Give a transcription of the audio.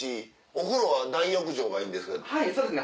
お風呂は大浴場がいいんですか？